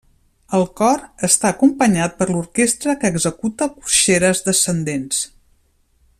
El cor està acompanyat per l'orquestra que executa corxeres descendents.